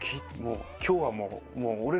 今日はもう俺ら。